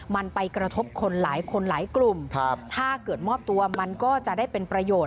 มันไปกระทบคนหลายคนหลายกลุ่มถ้าเกิดมอบตัวมันก็จะได้เป็นประโยชน